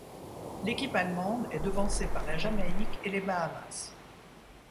L'équipe allemande est devancée par la Jamaïque et les Bahamas.